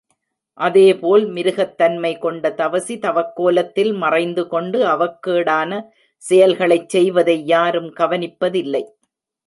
அதேபோல் மிருகத்தன்மை கொண்ட தவசி தவக்கோலத்தில் மறைந்துகொண்டு அவக்கேடான செயல்களைச் செய்வதை யாரும் கவனிப்ப தில்லை.